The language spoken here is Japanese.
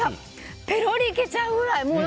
ペロリいけちゃうぐらい！